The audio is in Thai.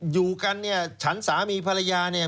อยู่กันเนี่ยฉันสามีภรรยาเนี่ย